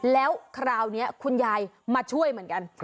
แล้วคราวนี้คุณยายมาช่วยเหมือนกัน